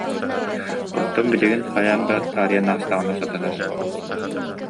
Оттон билигин хайаан да таарыйан аастаҕына сатанар